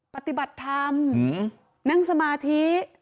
ปฏิบัติธรรมนั่งสมาธิ